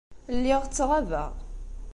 Lliɣ ttɣabeɣ.